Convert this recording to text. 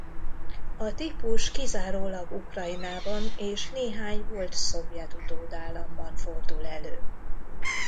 A típus kizárólag Ukrajnában és néhány volt szovjet utódállamban fordul elő.